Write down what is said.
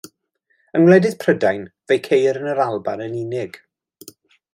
Yng ngwledydd Prydain fe'i ceir yn yr Alban yn unig.